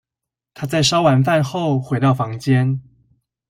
她在燒完飯後回到房間